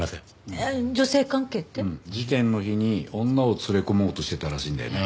事件の日に女を連れ込もうとしてたらしいんだよね。